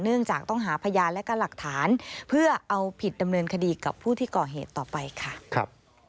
เนื่องจากต้องหาพยานและก็หลักฐานเพื่อเอาผิดดำเนินคดีกับผู้ที่ก่อเหตุต่อไปค่ะครับ